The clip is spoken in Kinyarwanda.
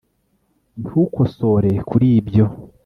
ntukosore kuri ibyo